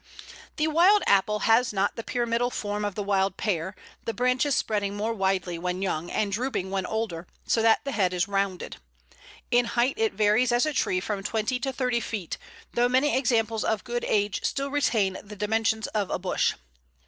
The Wild Apple has not the pyramidal form of the Wild Pear, the branches spreading more widely when young and drooping when older, so that the head is rounded. In height it varies as a tree from twenty to thirty feet, though many examples of good age still retain the dimensions of a bush.